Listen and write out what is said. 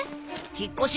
引っ越し？